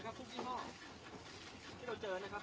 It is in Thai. ขอบคุณครับ